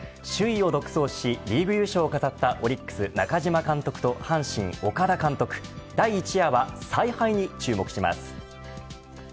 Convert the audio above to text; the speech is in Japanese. そうなんです、首位を独走しリーグ優勝を飾ったオリックス中嶋監督と阪神、岡田監督第一夜は采配に注目します。